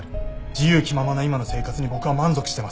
自由気ままな今の生活に僕は満足してます。